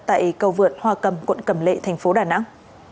tại cầu vượt hòa cầm quận cầm lệ tp đà nẵng